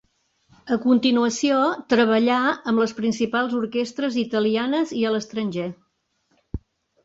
A continuació treballà amb les principals orquestres italianes i a l'estranger.